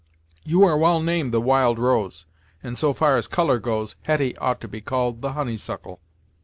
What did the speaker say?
You are well named the Wild Rose, and so far as colour goes, Hetty ought to be called the Honeysuckle."